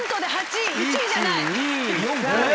１位じゃない！